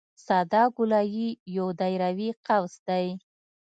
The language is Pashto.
ساده ګولایي یو دایروي قوس دی